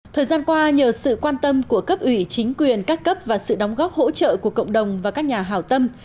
thời gian qua nhờ sự quan tâm của cấp ủy chính quyền các cấp và sự đóng góp hỗ trợ của cộng đồng và các nhà hào tâm